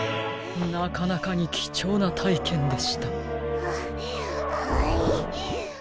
なかなかにきちょうなたいけんでした。